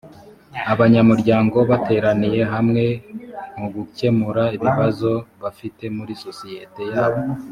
abanyamuryango bateraniye hamwe mugukemura ibibazo bafite muri sosiyete yabo